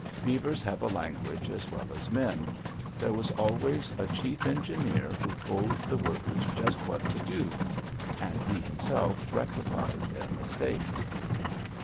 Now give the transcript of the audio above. Beavers have a language as well as men: there was always a chief engineer who told the workers just what to do, and he himself rectified their mistakes.